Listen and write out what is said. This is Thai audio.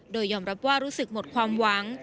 โดยยอมรับว่ารู้สึกหมดความหวัง